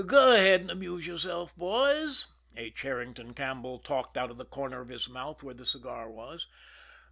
"Go ahead and amuse yourselves, boys." H. Herrington Campbell talked out of the corner of his mouth where the cigar was.